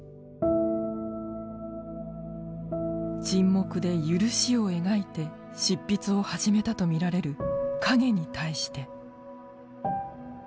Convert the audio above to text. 「沈黙」でゆるしを描いて執筆を始めたと見られる「影に対して」。